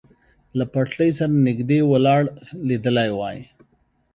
له پټلۍ سره نږدې ولاړ لیدلی وای.